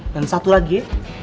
dan satu lagi ya